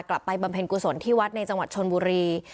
บำเพ็ญกุศลที่วัดในจังหวัดชนบุรี